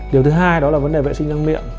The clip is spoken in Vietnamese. điều thứ hai đó là vấn đề vệ sinh răng miệng